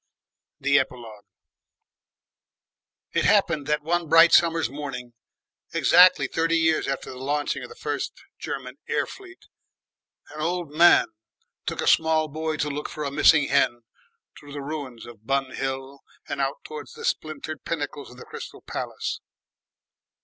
THE EPILOGUE It happened that one bright summer's morning exactly thirty years after the launching of the first German air fleet, an old man took a small boy to look for a missing hen through the ruins of Bun Hill and out towards the splintered pinnacles of the Crystal Palace.